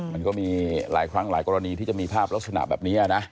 มันก็มีหลายครั้งหลายกรณีที่จะมีภาพลักษณะแบบนี้นะ